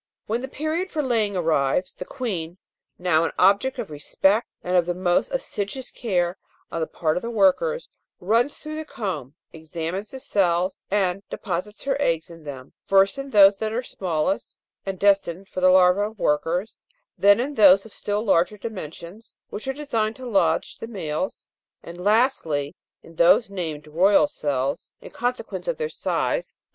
When the period for laying arrives, the Queen, now an object of respect and of the most assiduous care on the part of the workers, runs through the comb, examines the cells, and deposits her eggs in them, first in those that are smallest (a) and destined for the larvse of workers ; then in those of still larger dimensions, which are designed to lodge the males ; and, lastly, in those named royal cells (6), in consequence of their size and their 9.